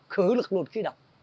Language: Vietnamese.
cứ lực lụt khí độc